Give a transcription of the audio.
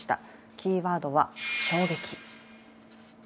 キーワードは「衝撃」。